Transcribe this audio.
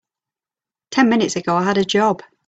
Ten minutes ago I had a job.